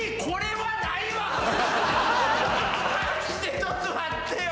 マジでちょっと待ってよ。